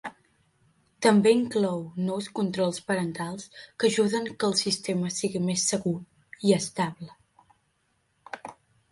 També inclou nous controls parentals, que ajuden que el sistema sigui més segur i estable.